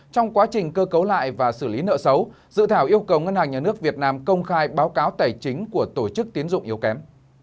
trong quá trình cơ cấu lại và xử lý nợ xấu dự thảo yêu cầu ngân hàng nhà nước việt nam công khai báo cáo tài chính của tổ chức tiến dụng yếu kém